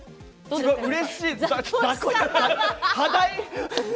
うれしい！